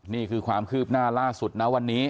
นี่คือความคืบหน้าล่าสุดนะวันนี้